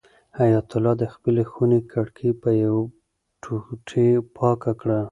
حیات الله د خپلې خونې کړکۍ په یوې ټوټې پاکه کړه.